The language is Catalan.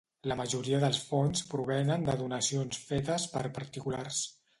La majoria dels fons provenen de donacions fetes per particulars.